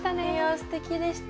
すてきでした。